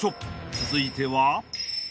［続いては］